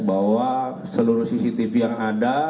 bahwa seluruh cctv yang ada